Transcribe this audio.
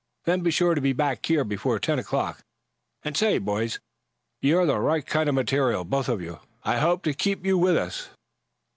Then be sure to be back here before ten o'clock. And say, boys, you're the right kind of material both of you. I hope to keep you with us."